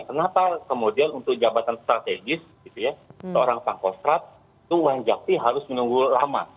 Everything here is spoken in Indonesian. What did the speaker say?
kenapa kemudian untuk jabatan strategis seorang sang kostrat itu wanjakti harus menunggu lama